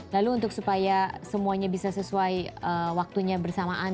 lalu untuk supaya semuanya bisa sesuai waktunya bersamaan